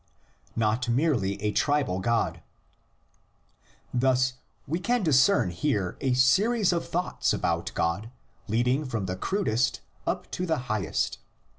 NOT MERELY A TRIBAL GOD. Thus we can discern here a series of thoughts about God leading from the crudest up to the high est.